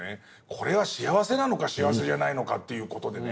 これは幸せなのか幸せじゃないのかっていう事でね。